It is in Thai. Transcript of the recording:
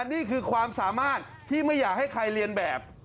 นี่คือความสามารถที่ไม่อยากให้ใครเรียนแบบ